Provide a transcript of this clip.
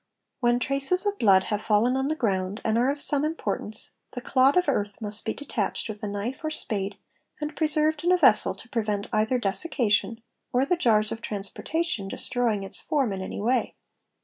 When traces of blood have fallen on the ground and are of some 572 TRACES OF BLOOD importance, the clod of earth must be detached with a knife or spade and preserved in a vessel to prevent either desiccation or the jars of transportation destroying its form in any way.